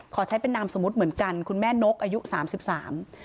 ขอใช้เป็นนามสมมุติเหมือนกันคุณแม่นกอายุสามสิบสาม